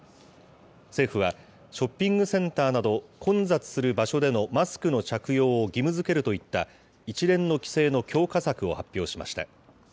政府は、ショッピングセンターなど、混雑する場所でのマスクの着用を義務づけるといった、一連の規制の強化策を発表しました。